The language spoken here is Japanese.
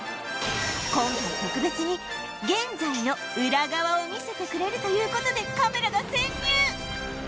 今回特別に現在のウラ側を見せてくれるという事でカメラが潜入！